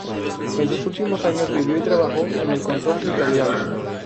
En sus últimos años vivió y trabajó en el Carso italiano.